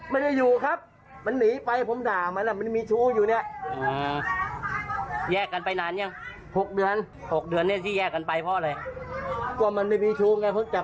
เพราะว่ามันไม่มีชูไงเพราะจับมันได้มันไม่ยอมรับ